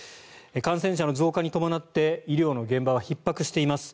感染者の増加に伴って医療の現場はひっ迫しています。